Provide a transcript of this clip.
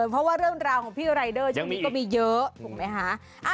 เพราะว่าเรื่องราวของพี่รายเดอร์มีก็จะเยอะถูกไหมฮะยังมีอีก